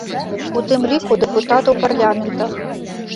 У тым ліку, дэпутатаў парламента.